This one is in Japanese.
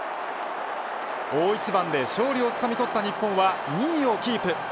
大一番で勝利をつかみとった日本は２位をキープ。